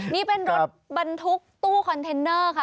นี่เป็นรถบรรทุกตู้คอนเทนเนอร์ค่ะ